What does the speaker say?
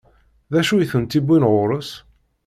D acu i tent-iwwin ɣur-s?